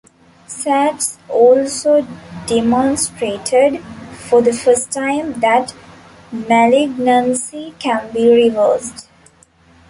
Sachs also demonstrated, for the first time, that malignancy can be reversed.